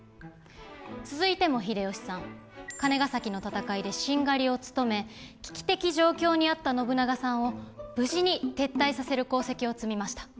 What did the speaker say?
続いても秀吉さん金ヶ崎の戦いで殿を務め危機的状況にあった信長さんを無事に撤退させる功績を積みました。